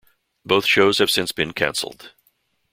Both shows have since been cancelled.